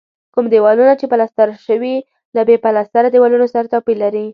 کوم دېوالونه چې پلستر شوي له بې پلستره دیوالونو سره توپیر لري.